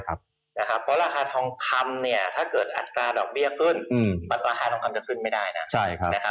เพราะราคาทองคำถ้าเกิดอัตราดอกเบี้ยขึ้นราคาทองคำจะขึ้นไม่ได้นะ